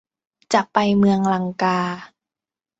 จะไปเมืองลังกา